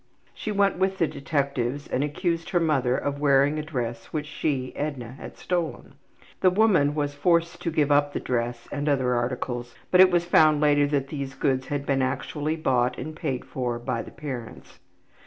She went with the detectives and accused her ``mother'' of wearing a dress which she, Edna, had stolen. The woman was forced to give up the dress and other articles, but it was found later that these goods had been actually bought and paid for by the parents.